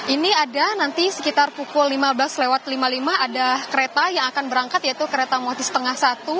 ini ada nanti sekitar pukul lima belas lima puluh lima ada kereta yang akan berangkat yaitu kereta muati setengah satu